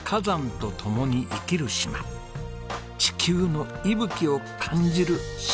地球の息吹を感じる島でした。